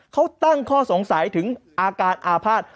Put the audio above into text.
เขาตั้งข้อสงสัยถึงอาการอาภาษณ์